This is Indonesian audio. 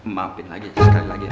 maafin lagi sekali lagi ya